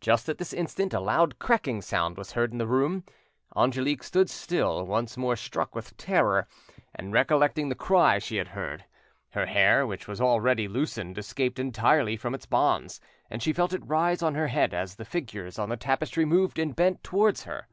Just at this instant a loud cracking sound was heard in the room. Angelique stood still, once more struck with terror, and recollecting the cry she had heard. Her hair, which was already loosened, escaped entirely from its bonds, and she felt it rise on her head as the figures on the tapestry moved and bent towards her.